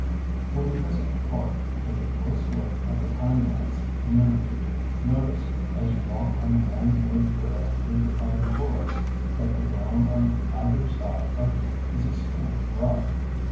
When you visit the park take a close look at the pinelands community. Notice, as you walk on the manmade trail through the pine forest, that the ground on either side of you is extremely rough.